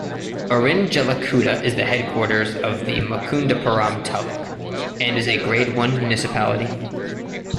Irinjalakuda is the headquarters of the Mukundapuram Taluk and is a Grade-I municipality.